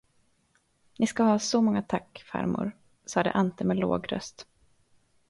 Ni ska ha så många tack, farmor, sade Ante med låg röst.